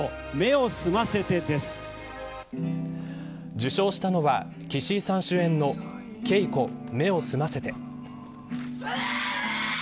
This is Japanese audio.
受賞したのは岸井さん主演のケイコ目を澄ませて。